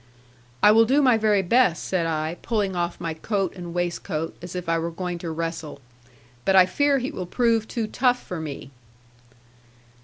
'I will do my very best,' said I, pulling off my coat and waistcoat, as if I were going to wrestle; 'but I fear he will prove too tough for me.'